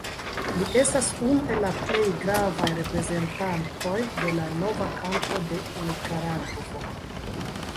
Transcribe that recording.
Li estas unu el la plej gravaj reprezentantoj de la "Nova Kanto" de Nikaragvo.